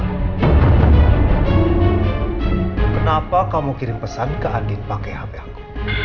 kenapa kamu kirim pesan ke andin pakai hp aku